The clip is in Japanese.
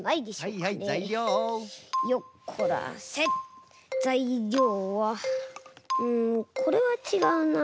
うんこれはちがうな。